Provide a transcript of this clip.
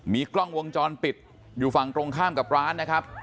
มีกล้องวงจรปิดอยู่ฝั่งตรงข้ามกับร้านนะครับ